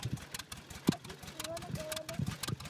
که ټکټ یې پرې ولګولو.